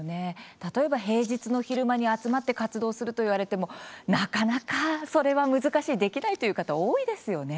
例えば平日の昼間に集まって活動すると言われてもなかなか、それは難しいできないという方多いですよね。